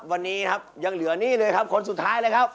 วันนี้ครับยังเหลือนี่เลยครับคนสุดท้ายเลยครับ